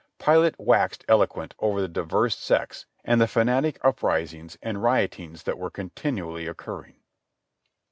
Pilate waxed eloquent over the diverse sects and the fanatic uprisings and riotings that were continually occurring.